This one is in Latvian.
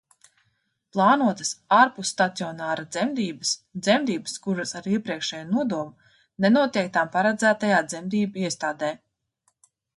Plānotas ārpusstacionāra dzemdības – dzemdības, kuras ar iepriekšēju nodomu nenotiek tām paredzētajā dzemdību iestādē.